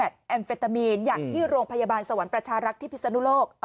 แอมเฟตามีนอย่างที่โรงพยาบาลสวรรค์ประชารักษ์ที่พิศนุโลก